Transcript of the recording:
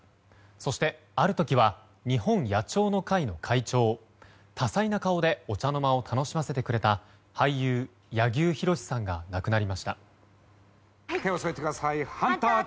そして、ある時は日本野鳥の会の会長多彩な顔でお茶の間を楽しませてくれた俳優、柳生博さんが亡くなりました。